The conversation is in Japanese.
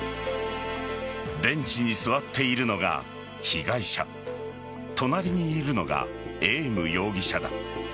ベンチに座っているのが被害者隣にいるのがエーム容疑者だ。